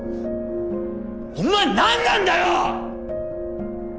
お前何なんだよ！